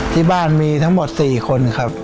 ที่บ้านมีทั้งหมด๔คนครับ